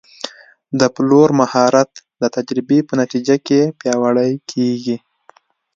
د پلور مهارت د تجربې په نتیجه کې پیاوړی کېږي.